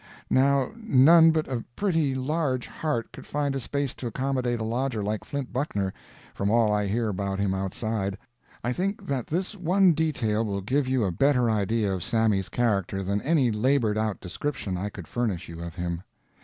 Now none but a pretty large heart could find space to accommodate a lodger like Flint Buckner, from all I hear about him outside. I think that this one detail will give you a better idea of Sammy's character than any labored out description I could furnish you of him.